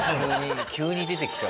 急に出てきた。